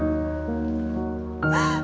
pengen air teh ritem